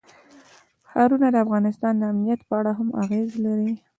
ښارونه د افغانستان د امنیت په اړه هم اغېز لري.